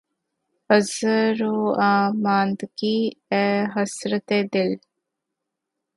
عذر واماندگی، اے حسرتِ دل!